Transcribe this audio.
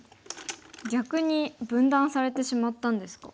逆に分断されてしまったんですか。